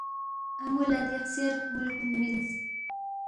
ان٘و لہ دے خسیر خمُول کُن مِنس